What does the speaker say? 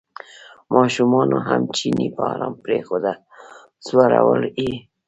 ماشومانو هم چینی په ارام پرېنښوده ځورول یې.